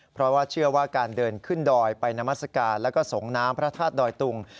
เพราะว่าเชื่อว่าการเดินขึ้นดอยไปนามัศกาลแล้วก็สงน้ำพระธาตุดอยตุง